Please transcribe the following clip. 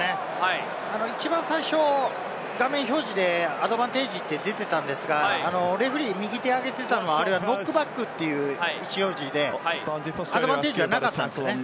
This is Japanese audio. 一番最初、ダミー表示でアドバンテージって出ていたんですが、レフェリーが右手を上げていたのはノックバックという意思表示で、アドバンテージはなかったんですね。